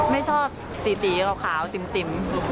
ไม่ชอบตีเขาขาวติ๋ม